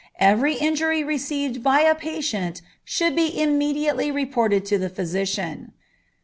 Every injury received by a patient should be immediately reported to a physician.